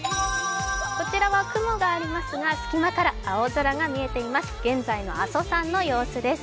こちらは雲がありますが、隙間から青空が見えています。